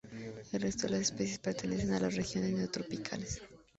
El resto de especies pertenecen a las regiones neotropicales.